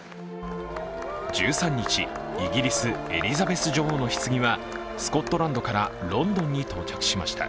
１３日、イギリスエリザベス女王のひつぎはスコットランドからロンドンに到着しました。